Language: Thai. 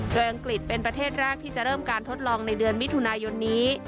โดยอังกฤษเป็นประเทศแรกที่จะเริ่มการทดลองในเดือนมิถุนายนนี้